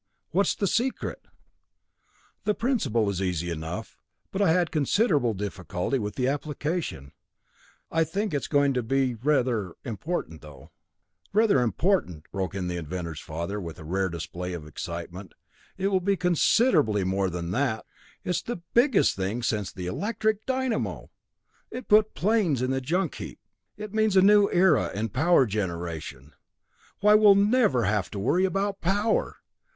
What's the secret?" "The principle is easy enough, but I had considerable difficulty with the application. I think it is going to be rather important though " "Rather important," broke in the inventor's father, with a rare display of excitement. "It will be considerably more than that. It's the biggest thing since the electric dynamo! It puts airplanes in the junk heap! It means a new era in power generation. Why, we'll never have to worry about power!